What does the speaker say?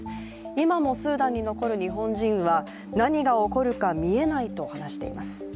今もスーダンに残る日本人は何が起こるか見えないと話しています。